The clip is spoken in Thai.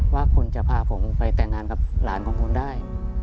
ว่าคุณจะพาผมไปแต่งงานกับหลานของคุณได้